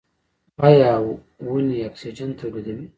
ایا ونې اکسیجن تولیدوي؟